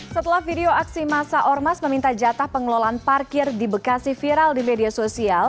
setelah video aksi masa ormas meminta jatah pengelolaan parkir di bekasi viral di media sosial